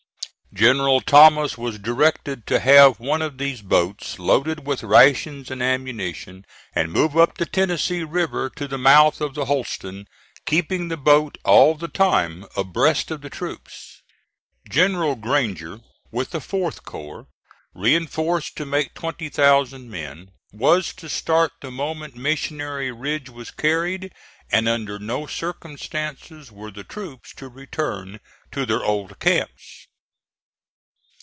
General Thomas was directed to have one of these boats loaded with rations and ammunition and move up the Tennessee River to the mouth of the Holston, keeping the boat all the time abreast of the troops. General Granger, with the 4th corps reinforced to make twenty thousand men, was to start the moment Missionary Ridge was carried, and under no circumstances were the troops to return to their old camps.